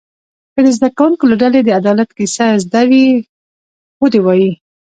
که د زده کوونکو له ډلې د عدالت کیسه زده وي و دې وایي.